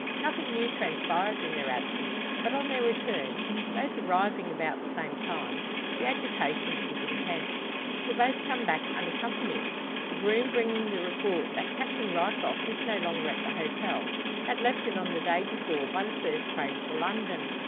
Nothing new transpires in their absence; but on their return both arriving about the same time the agitation is intense. For both come back unaccompanied; the groom bringing the report that Captain Ryecroft is no longer at the hotel had left it on the day before by the first train for London!